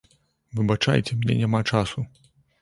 Выбачайце, мне няма часу.